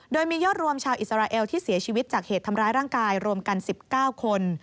โดยมียอดรวมชาวอิสราเอลที่เสียชีวิตจากเหตุทำร้ายร่างกายรวมกัน๑๙คน